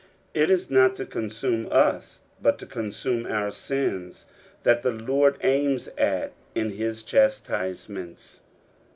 It is not to consume us, but to consume our sins, that the I^ord aims at in his chastisements.